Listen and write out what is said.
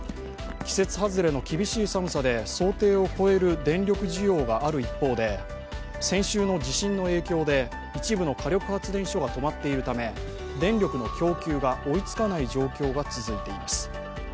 季節外れの厳しい寒さで想定を超える電力需要がある一方で先週の地震の影響で一部の火力発電所が止まっているため、電力の供給が追いつかない状況が続いています。